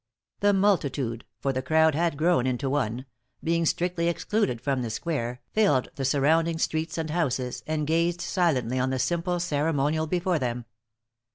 The multitude for the crowd had grown into one being strictly excluded from the square, filled the surrounding streets and houses, and gazed silently on the simple ceremonial before them.